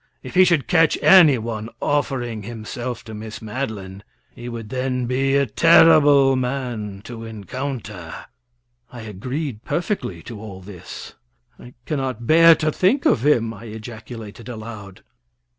If he should catch anyone offering himself to Miss Madeline, he would then be a terrible man to encounter." I agreed perfectly to all this. "I cannot bear to think of him!" I ejaculated aloud.